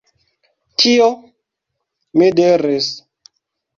Kio? mi diris.